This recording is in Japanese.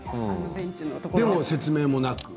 でも説明もなく。